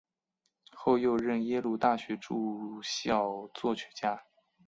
后又任耶鲁大学驻校作曲家。